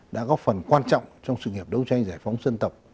đã góp phần quan trọng trong sự nghiệp đấu tranh giải phóng dân tộc